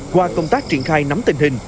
qua công tác triển khai nắm tình hình